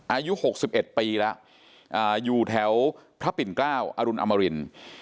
อายุ๖๑ปีแล้วอยู่แถวพระปิ่นเกล้าอรุณอมริน